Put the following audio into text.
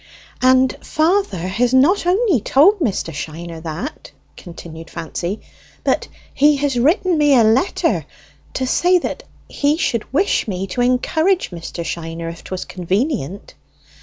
"And father has not only told Mr. Shiner that," continued Fancy, "but he has written me a letter, to say he should wish me to encourage Mr. Shiner, if 'twas convenient!"